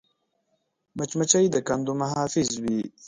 مچمچۍ د کندو محافظ وي